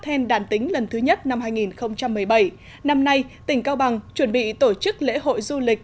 then đàn tính lần thứ nhất năm hai nghìn một mươi bảy năm nay tỉnh cao bằng chuẩn bị tổ chức lễ hội du lịch